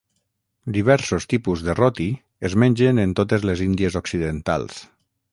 Diversos tipus de roti es mengen en totes les Índies Occidentals.